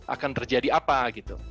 akan terjadi apa gitu